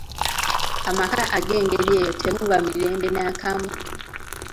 Amaka ag'engeri eyo temuba mirembe n'akamu.